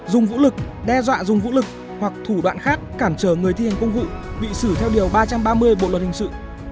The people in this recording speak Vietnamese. dùng vũ lực đe dọa dùng vũ lực hoặc thủ đoạn khác cản trở người thi hành công vụ bị xử theo điều ba trăm ba mươi bộ luật hình sự